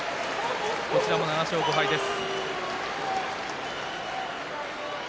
こちらも７勝５敗です。